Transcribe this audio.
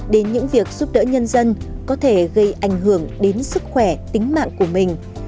đến những việc giúp đỡ nhân dân có thể gây ảnh hưởng đến sức khỏe tính mạng của mình